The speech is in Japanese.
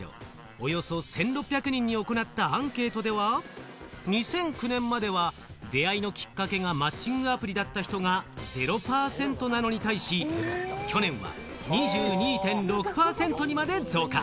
およそ１６００人に行ったアンケートでは、２００９年までは、出会いのきっかけがマッチングアプリだった人が０％なのに対し、去年は２２．６％にまで増加。